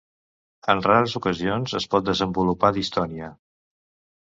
En rares ocasions, es pot desenvolupar distonia.